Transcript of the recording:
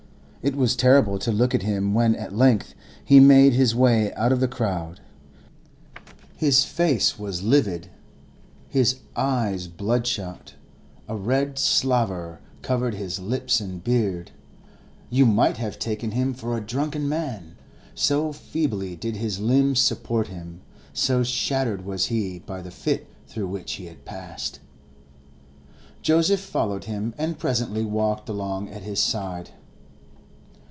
It was terrible to look at him when at length he made his way out of the crowd; his face was livid, his eyes bloodshot, a red slaver covered his lips and beard; you might have taken him for a drunken man, so feebly did his limbs support him, so shattered was he by the fit through which he had passed. Joseph followed him, and presently walked along at his side.